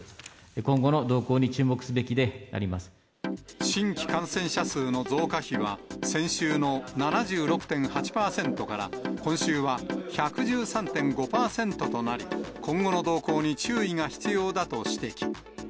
今後の動向に注目すべきでありま新規感染者数の増加比は、先週の７６．８％から、今週は１１３．５％となり、今後の動向に注意が必要だと指摘。